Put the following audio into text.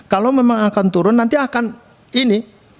kalau memang akan turun nanti akan ini